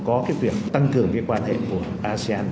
có cái việc tăng cường cái quan hệ của asean